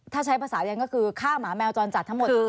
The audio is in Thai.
ถ้าใช้ภาษาเรียนก็คือฆ่าหมาแมวจรจัดทั้งหมด